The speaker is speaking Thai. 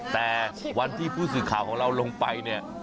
แต่วันที่ผู้สื่อข่าวของเราลงไปเนี่ย